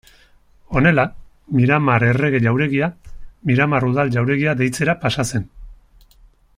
Honela, Miramar Errege Jauregia, Miramar Udal Jauregia deitzera pasa zen.